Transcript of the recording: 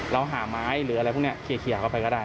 เราหาไม้หรืออะไรพวกนี้เคลียร์เข้าไปก็ได้